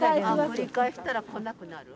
繰り返したら来なくなる？